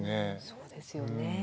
そうですよね。